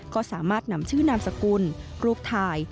ก็สามารถนำชื่อนามสกุลรูปถ่าย